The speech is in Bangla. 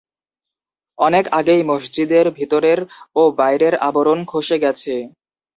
অনেক আগেই মসজিদের ভেতরের ও বাইরের আবরণ খসে গেছে।